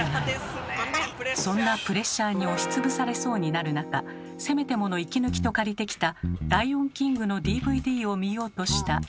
そんなプレッシャーに押し潰されそうになる中せめてもの息抜きと借りてきた「ライオン・キング」のＤＶＤを見ようとしたその時。